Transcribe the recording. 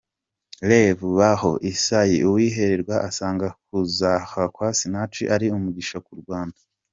Rev Baho Isaie Uwihirwe asanga kuza kwa Sinach ari umugisha ku Rwanda.